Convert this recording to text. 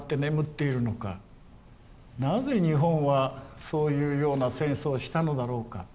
なぜ日本はそういうような戦争をしたのだろうか。